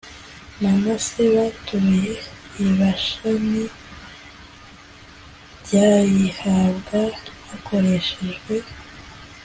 manase batuye i bashani y bayihabwa hakoreshejwe